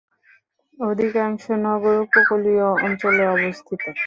অধিকাংশ নগর উপকূলীয় অঞ্চলে অবস্থিত।